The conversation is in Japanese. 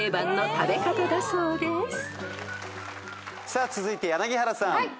さあ続いて柳原さん。